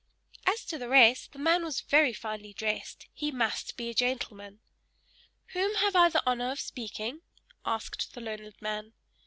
As to the rest, the man was very finely dressed he must be a gentleman. "Whom have I the honor of speaking?" asked the learned man.